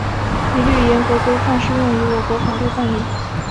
一律严格、规范适用我国法律办理